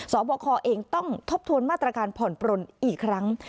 บคเองต้องทบทวนมาตรการผ่อนปลนอีกครั้ง